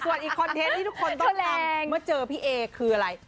ส่วนอีกคอนเทนต์ที่ทุกคนต้องทำเมื่อเจอพี่เอคืออะไร